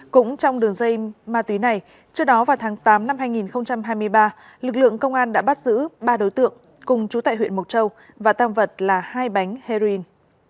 cũng trong đường dây ma túy này trước đó vào tháng tám năm hai nghìn hai mươi ba lực lượng công an đã bắt giữ ba đối tượng cùng chú tại huyện mộc châu và tam vật là hai bánh heroin